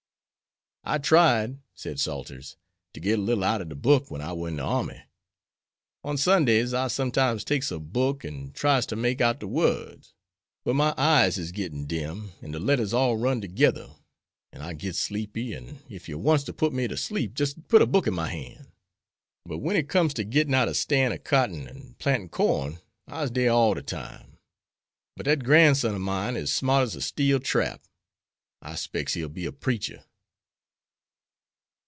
"I tried," said Salters, "to git a little out'er de book wen I war in de army. On Sundays I sometimes takes a book an' tries to make out de words, but my eyes is gittin' dim an' de letters all run togedder, an' I gits sleepy, an' ef yer wants to put me to sleep jis' put a book in my han'. But wen it comes to gittin' out a stan' ob cotton, an' plantin' corn, I'se dere all de time. But dat gran'son ob mine is smart as a steel trap. I specs he'll be a preacher."